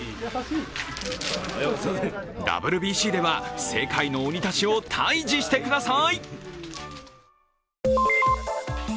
ＷＢＣでは世界の鬼たちを退治してください。